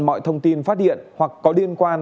mọi thông tin phát điện hoặc có liên quan